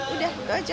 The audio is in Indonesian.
udah itu aja